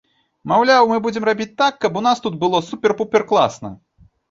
Маўляў, мы будзем рабіць так, каб у нас тут было супер-пупер класна.